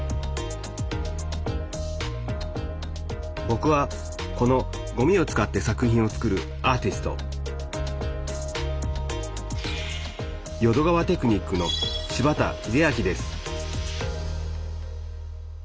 ぼくはこのごみを使って作品を作るアーティスト淀川テクニックの柴田英昭です